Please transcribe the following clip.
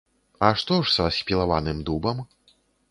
А што ж са спілаваным дубам?